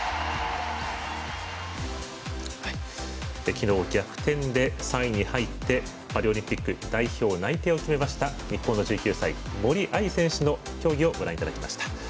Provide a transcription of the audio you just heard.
昨日、逆転で３位に入ってパリオリンピック代表内定を決めました日本の１９歳、森秋彩選手の競技をご覧いただきました。